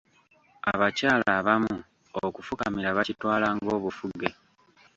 Abakyala abamu okufukamira bakitwala ng’obufuge.